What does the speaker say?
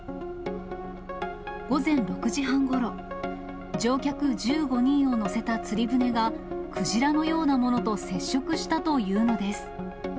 午前６時半ごろ、乗客１５人を乗せた釣り船がクジラのようなものと接触したというのです。